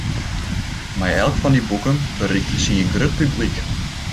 Mei elk fan dy boeken berikte sy in grut publyk.